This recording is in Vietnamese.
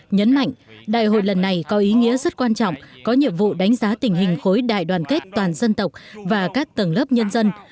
nhấn mạnh đại hội lần này có ý nghĩa rất quan trọng có nhiệm vụ đánh giá tình hình khối đại đoàn kết toàn dân tộc và các tầng lớp nhân dân